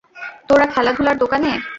তোরা খেলাধুলার দোকানে!